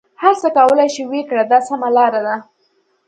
هر څه کولای شې ویې کړه دا سمه لاره ده.